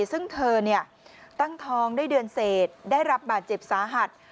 ซึ่งเธอตั้งท้องได้เดือนเศษได้รับบาดเจ็บสาหัส